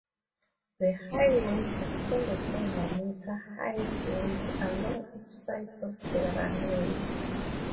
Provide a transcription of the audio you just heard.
The high wings extended over meter high berms along each side of the runway.